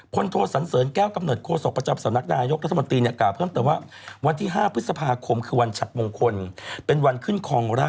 เพราะไม่ใช่วันหยุดราชการ